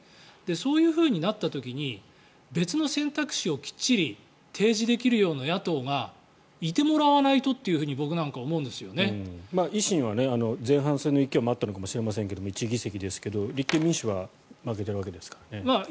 そういうふうになった時に別の選択肢をきっちり提示できるような野党がいてもらわないとというふうに維新は前半戦の勢いもあったのかもしれないですが１議席ですが、立憲民主は負けているわけですからね。